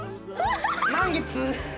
満月。